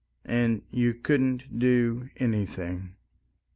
And you couldn't do anything!